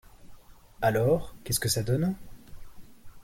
Alors qu’est-ce que ça donne?